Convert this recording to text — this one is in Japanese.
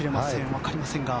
わかりませんが。